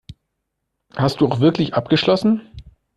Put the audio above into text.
Hast du auch wirklich abgeschlossen?